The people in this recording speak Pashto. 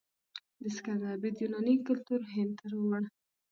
د سکندر برید یوناني کلتور هند ته راوړ.